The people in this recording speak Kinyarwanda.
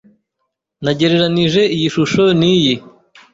Nagereranije iyi shusho niyi.